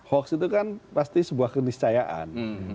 hoax itu kan pasti sebuah keniscayaan